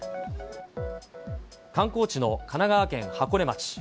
観光地の神奈川県箱根町。